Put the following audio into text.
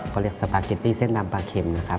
ก็เรียกสปาเกตตี้เส้นนำปลาเข็มนะครับ